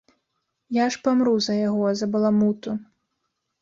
Я ж памру за яго, за баламуту.